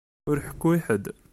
Ur ḥekku i ḥedd!